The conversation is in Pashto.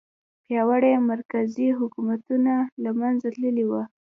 پیاوړي مرکزي حکومتونه له منځه تللي وو.